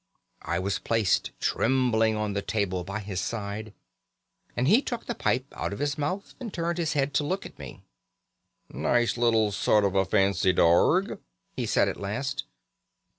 I was placed trembling on the table by his side, and he took the pipe out of his mouth and turned his head to look at me. "'Nice little sort of a fancy dorg,' he said at last.